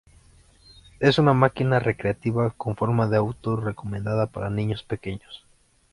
Es una máquina recreativa con forma de auto, recomendada para niños pequeños.